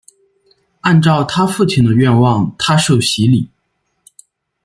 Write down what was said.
按照她父亲的愿望她受洗礼。